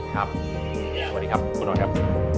ครับสวัสดีครับคุณออยครับ